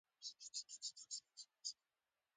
هغه په ګړنديو ګامونو د مينې خواته راغی او وپوښتل